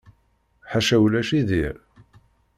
Ḥaca ulac i dir.